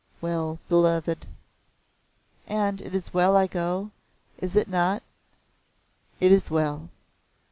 "Well, Beloved." "And it is well I go? Is it not?" "It is well."